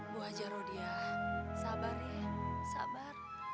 bu aja rodia sabar ya sabar